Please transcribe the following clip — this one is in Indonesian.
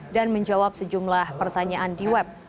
dan menjawab sejumlah pertanyaan di web